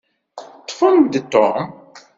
Ṭṭfem-d Tom.